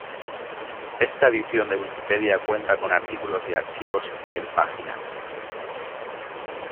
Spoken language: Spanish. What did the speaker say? Esta edición de Wikipedia cuenta con artículos y archivos en páginas.